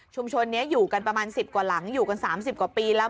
ชุมชนเนี้ยอยู่กันประมาณสิบกว่าหลังอยู่กันสามสิบกว่าปีแล้ว